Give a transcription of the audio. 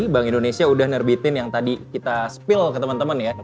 bank indonesia udah nerbitin yang tadi kita spill ke teman teman ya